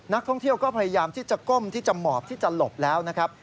นักท่องเที่ยวก็พยายามที่จะก้มที่จะหมอบที่จะหลบแล้วนะครับ